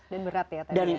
dan berat ya